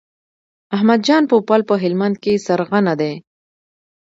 احمد جان پوپل په هلمند کې سرغنه دی.